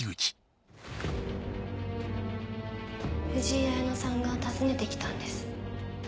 藤井綾乃さんが訪ねて来たんです。